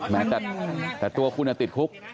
แม้แต่ตัวคุณติดคุก